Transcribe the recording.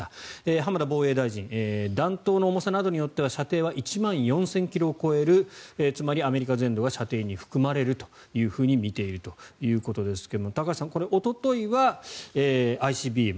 浜田防衛大臣弾頭の重さなどによっては射程は１万４０００ｋｍを超えるつまりアメリカ全土が射程に含まれるというふうに見ているということですが高橋さん、おとといはＩＣＢＭ